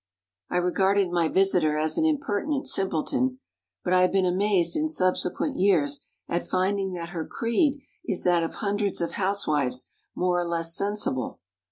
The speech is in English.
I regarded my visitor as an impertinent simpleton; but I have been amazed, in subsequent years, at finding that her creed is that of hundreds of housewives more or less sensible.